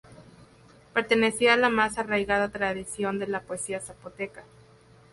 Pertenecía a la más arraigada tradición de la poesía zapoteca.